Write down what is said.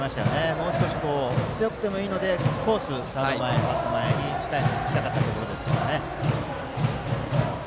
もう少し、強くてもいいのでコースをサード前やファースト前にしたかったですね。